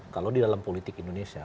kalau di dalam politik indonesia